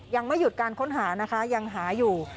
ยังไม่หยุดการค้นหานะคะยังหาอยู่